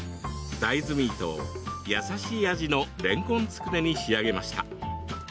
大豆ミートを優しい味のれんこんつくねに仕上げました。